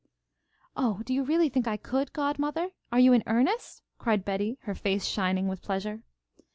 "Oh, do you really think I could, godmother? Are you in earnest?" cried Betty, her face shining with pleasure.